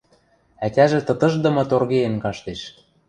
Ӓтяжӹ тытышдымы торгеен каштеш.